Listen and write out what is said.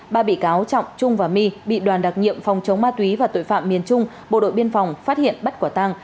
ba bị cáo trọng trung và my bị đoàn đặc nhiệm phòng chống ma túy và tội phạm miền trung bộ đội biên phòng phát hiện bắt quả tăng